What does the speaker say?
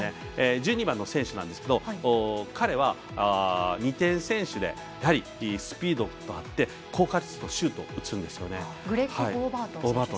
１２番の選手ですが彼は２点選手でスピードもあって効果的なシュートを打つんです。